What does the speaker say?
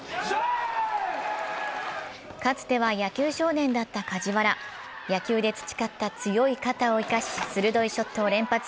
かつては野球少年だった梶原、野球で培った強い肩を生かし鋭いショットを連発。